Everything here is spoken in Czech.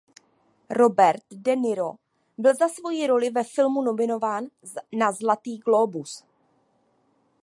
Robert De Niro byl za svoji roli ve filmu nominován na Zlatý glóbus.